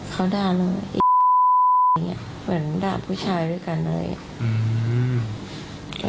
เขาด่าหนูอีกอย่างนี้เหมือนด่าผู้ชายด้วยกันอะไรอย่างนี้